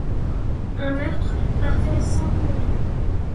Un meurtre parfait sans mobile.